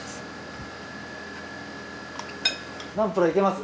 ナンプラーいけます？